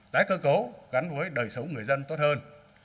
tái cơ cấu gắn với đời sống người dân tốt hơn